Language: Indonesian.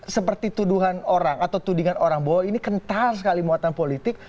seperti tuduhan orang atau tudingan orang bahwa ini kental sekali muatan politik